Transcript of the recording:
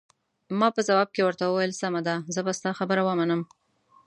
ما په ځواب کې ورته وویل: سمه ده، زه به ستا خبره ومنم.